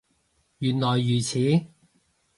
原來如此